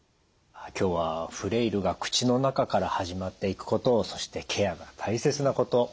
今日はフレイルが口の中から始まっていくことをそしてケアが大切なこと